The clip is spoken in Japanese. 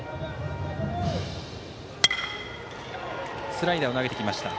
スライダーを投げてきました。